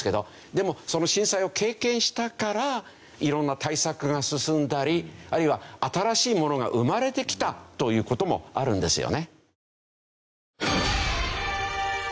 でもその震災を経験したからいろんな対策が進んだりあるいは新しいものが生まれてきたという事もあるんですよね。